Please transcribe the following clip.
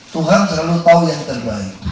tuhan selalu tahu yang terbaik